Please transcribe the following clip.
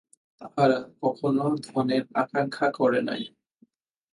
তাহারা কখনও ধনের আকাঙ্ক্ষা করে নাই।